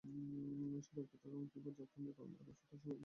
সে রক্তের রং হবে জাফরানের রং আর তার সুগন্ধি হবে মিশকের সুগন্ধি।